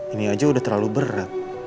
ini aja udah terlalu berat